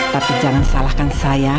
tapi jangan salahkan saya